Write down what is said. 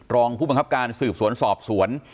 รองผู้บังคับการสืบสวนสอบสวน